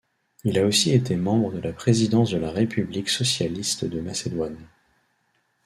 Il a aussi été membre de la Présidence de la République socialiste de Macédoine.